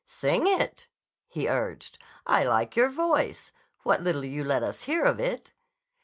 "Sing it," he urged. "I like your voice—what little you let us hear of it."